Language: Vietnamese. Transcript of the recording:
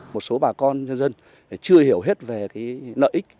một số bà con nhân dân chưa hiểu hết về nợ ích